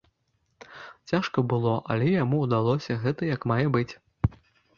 Цяжка было, але яму ўдалося гэта як мае быць.